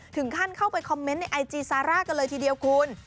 เข้าไปคอมเมนต์ในไอจีซาร่ากันเลยทีเดียวคุณ